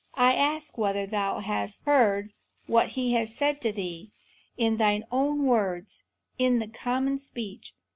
I ask whether thou hast heard what He has said to thee, in thine own words, in the common speech.